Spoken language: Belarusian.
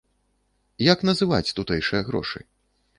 Як называць тутэйшыя грошы?